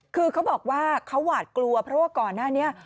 คือเขาบอกว่าเขาหวาดกลัวเพราะว่าก่อนหน้านี้